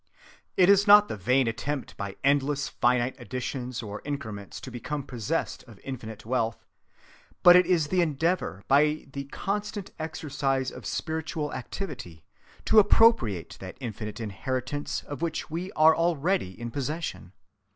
It is not the vain attempt by endless finite additions or increments to become possessed of infinite wealth, but it is the endeavor, by the constant exercise of spiritual activity, to appropriate that infinite inheritance of which we are already in possession.